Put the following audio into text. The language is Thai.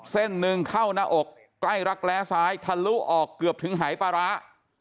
เส้นหนึ่งเข้าหน้าอกใกล้รักแร้ซ้ายทะลุออกเกือบถึงหายปลาร้า